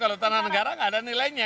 kalau tanah negara nggak ada nilainya